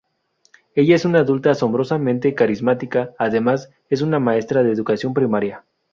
Ella es una adulta asombrosamente carismática, además, es una maestra de educación primaria.